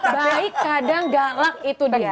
baik kadang galak itu dia